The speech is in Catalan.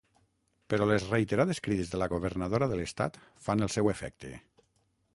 Però les reiterades crides de la governadora de l'estat fan el seu efecte.